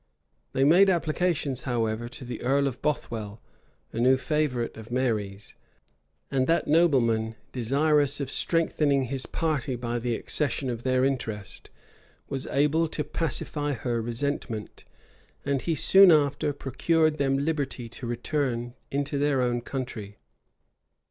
They made applications, however, to the earl of Bothwell, a new favorite of Mary's; and that nobleman, desirous of strengthening his party by the accession of their interest, was able to pacify her resentment; and he soon after procured them liberty to return into their own country.